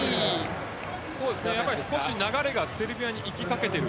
少し流れがセルビアにいきかけている。